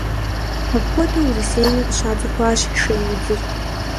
Апхуэдэу Урысейми къыщацӏыхуащ шейудзыр.